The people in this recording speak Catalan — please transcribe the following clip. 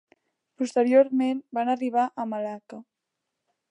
Posteriorment van arribar a Malacca.